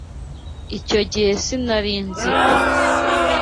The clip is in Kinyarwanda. Icyo gihe sinari nzi ko.